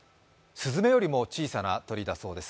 すずめよりも小さな鳥だそうです。